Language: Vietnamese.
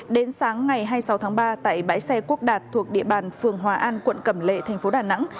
đến sáng ngày hai mươi sáu tháng ba tại bãi xe quốc đạt thuộc địa bàn phường hòa an quận cẩm lệ thành phố đà nẵng